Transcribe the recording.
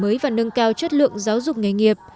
dự án đổi mới và nâng cao chất lượng giáo dục nghề nghiệp